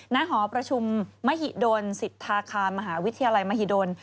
หอประชุมมหิดลสิทธาคามหาวิทยาลัยมหิดล